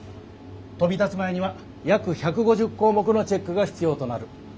飛び立つ前には約１５０項目のチェックが必要となる。